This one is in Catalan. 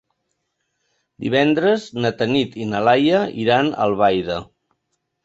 Divendres na Tanit i na Laia iran a Albaida.